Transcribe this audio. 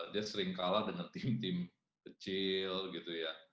dia sering kalah dengan tim tim kecil gitu ya